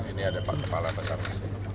ini ada pak kepala basarnas